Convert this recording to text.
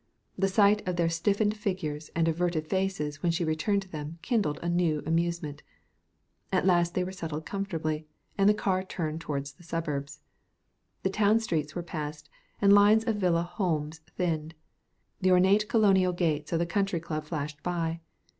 The sight of their stiffened figures and averted faces when she returned to them kindled a new amusement. At last they were settled comfortably, and the car turned toward the suburbs. The town streets were passed and lines of villa homes thinned. The ornate colonial gates of the Country Club flashed by.